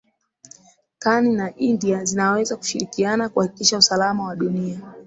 kani na india zinaweza kushirikiana kuhakikisha usalama wa dunia